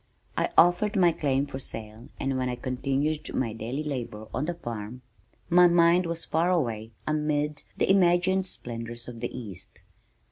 I offered my claim for sale and while I continued my daily labor on the farm, my mind was far away amid the imagined splendors of the east.